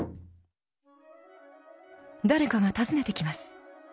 誰かが訪ねてきます。